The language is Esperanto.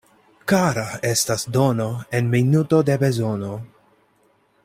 Kara estas dono en minuto de bezono.